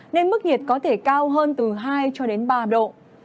nên mức nhiệt có thể cao hơn từ hai cho đến ba độ